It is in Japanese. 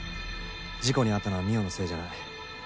事故に遭ったのは望緒のせいじゃない。